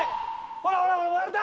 ほらほらほら割れた！